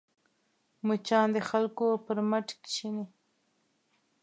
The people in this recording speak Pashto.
مچان د خلکو پر مټ کښېني